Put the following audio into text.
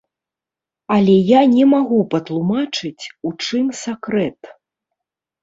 Але я не магу патлумачыць, у чым сакрэт.